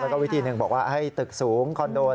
แล้วก็วิธีหนึ่งบอกว่าให้ตึกสูงคอนโด